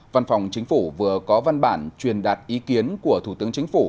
văn phòng chính phủ vừa có văn bản truyền đạt ý kiến của thủ tướng chính phủ